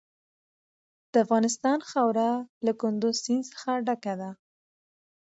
د افغانستان خاوره له کندز سیند څخه ډکه ده.